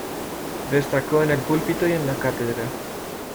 Destacó en el púlpito y en la cátedra.